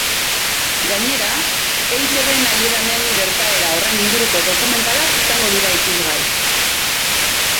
Gainera, eitbnahieranen gertaera horren inguruko dokumentalak izango dira ikusgai.